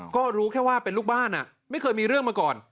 ก็รู้แค่ว่าเป็นลูกบ้านไม่เคยมีเรื่องมาก่อน